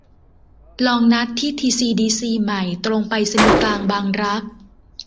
ลองนัดที่ทีซีดีซีใหม่ ตรงไปรษณีย์กลาง บางรัก